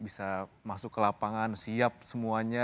bisa masuk ke lapangan siap semuanya